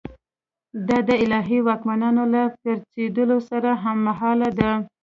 دا د الهي واکمنانو له پرځېدو سره هممهاله ده.